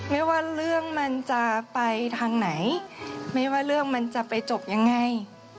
ไม่ว่าเรื่องมันจะไปทางไหนไม่ว่าเรื่องมันจะไปจบยังไง